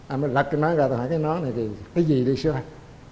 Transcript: anh ấy lật cái nón ra tôi hỏi cái nón này thì cái gì đi sư ơi